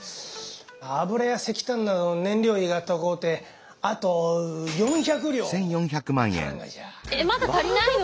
油や石炭などの燃料費が高うてあとまだ足りないの！？